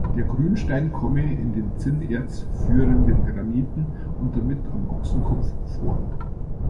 Der Grünstein komme in den Zinnerz führenden Graniten und damit am Ochsenkopf vor.